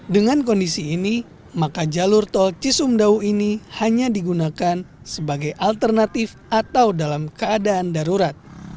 dengan kondisi ini maka jalur tol cisumdawu ini hanya digunakan sebagai alternatif atau dalam keadaan darurat